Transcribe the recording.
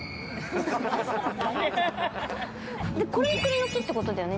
これ、栗の木ってことだよね。